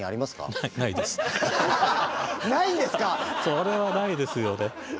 それはないですよね。